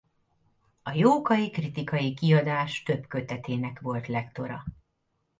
A Jókai kritikai kiadás több kötetének volt lektora.